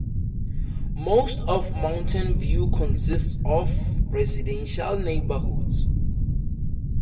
Most of Mountain View consists of residential neighborhoods.